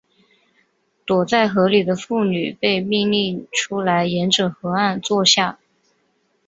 躲在河里的妇女被命令出来沿着河岸坐下。